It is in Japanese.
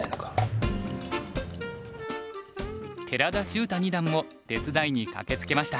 寺田柊汰二段も手伝いに駆けつけました。